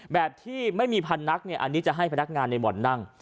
แบบที่ไม่มีพันนักเนี่ยอันนี้จะให้พนักงานในบ่อนนั่ง